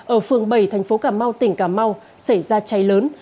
ở phường bảy thành phố cà mau tỉnh cà mau xảy ra cháy lớn